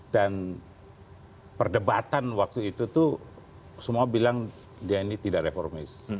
perdebatan waktu itu tuh semua bilang dia ini tidak reformis